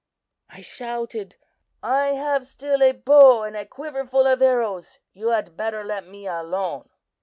I shouted: "'I have still a bow and a quiver full of arrows; you had better let me alone.